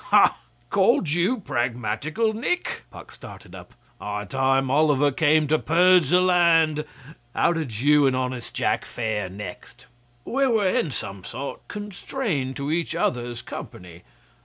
'Ha! Called you pragmatical, Nick?' Puck started up. 'High time Oliver came to purge the land! How did you and honest Jack fare next?' 'We were in some sort constrained to each other's company.